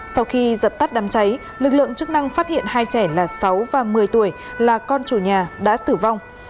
sau khi dập tắt đám cháy lực lượng chức năng phát hiện hai trẻ là sáu và một mươi tuổi là con chủ nhà đã tử vong